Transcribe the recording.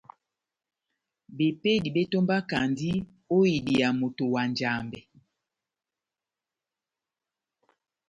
Bepédi bétómbakandi ó idiya moto na Njambɛ.